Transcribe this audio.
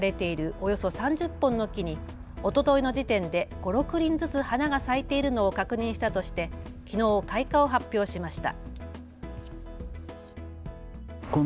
およそ３０本の木におとといの時点で５、６輪ずつ花が咲いているのを確認したとして、きのう開花を発表しました。